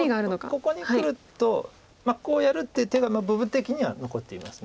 ここにくるとこうやるっていう手が部分的には残っています。